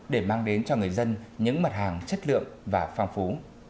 để mang đến cho người dân những mặt hàng chất lượng và phong phú